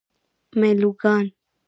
میلوگان